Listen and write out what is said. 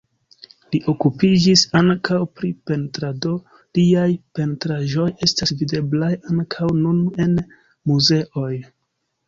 Li okupiĝis ankaŭ pri pentrado, liaj pentraĵoj estas videblaj ankaŭ nun en muzeoj.